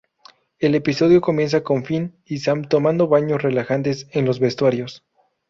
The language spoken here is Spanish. El episodio comienza con Finn y Sam tomando baños relajantes en los vestuarios.